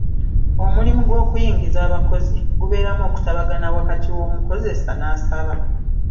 Omulimu gw'okuyingiza abakozi gubeeramu okutabagana wakati w'omukozesa n'asaba.